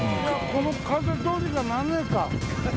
この風どうにかなんねえか？